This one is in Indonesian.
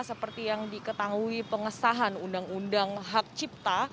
seperti yang diketahui pengesahan undang undang hak cipta